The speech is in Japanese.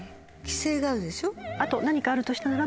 あと何かあるとしたならば。